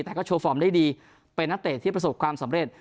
แต่ก็โชว์ฟอร์มได้ดีเป็นนักเตะที่ประสบความสำเร็จ